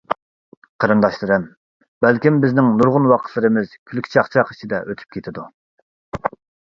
قېرىنداشلىرىم، بەلكىم بىزنىڭ نۇرغۇن ۋاقىتلىرىمىز كۈلكە-چاقچاق ئىچىدە ئۆتۈپ كېتىدۇ.